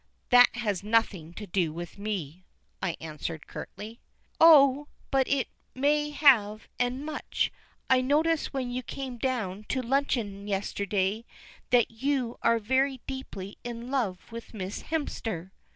"That has nothing to do with me," I answered curtly. "Oh, but it may have, and much. I noticed when you came down to luncheon yesterday that you are very deeply in love with Miss Hemster."